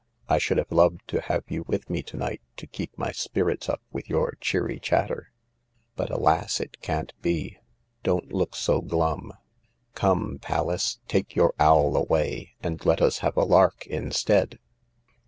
I should have loved to have you with me to night to keep my spirits up with your cheery chatter. But, alas I it can't be. Don't look so glum. * Come, Pallas, take your owl away, And let us have a lark instead